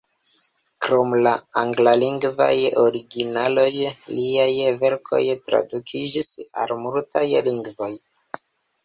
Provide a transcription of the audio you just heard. Krom la anglalingvaj originaloj, liaj verkoj tradukiĝis al multaj lingvoj.